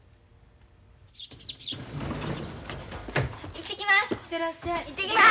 行ってきます。